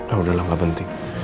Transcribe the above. ah udahlah gak penting